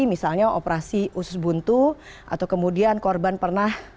misalnya operasi usus buntu atau kemudian korban pernah